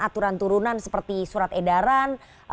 aturan turunan seperti surat edaran